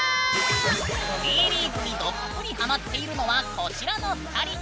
Ｂリーグにどっぷりハマっているのはこちらの２人。